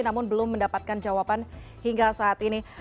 namun belum mendapatkan jawaban hingga saat ini